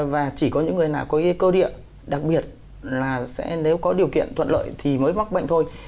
và chỉ có những người nào có cơ địa đặc biệt là sẽ nếu có điều kiện thuận lợi thì mới mắc bệnh thôi